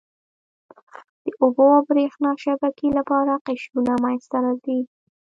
د اوبو او بریښنا شبکې لپاره قشرونه منځته راځي.